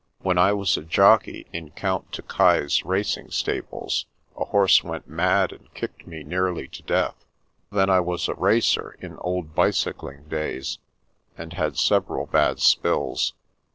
" When I was jockey in Count Tokai's racing sta bles, a horse went mad and kicked me nearly to death. Then I was a racer in old bicycling days, and had several bad spills.